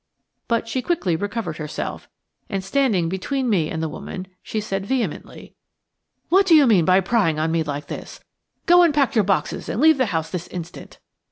But she quickly recovered herself, and, standing between me and the woman, she said vehemently: "What do you mean by prying on me like this? Go and pack your boxes and leave the house this instant."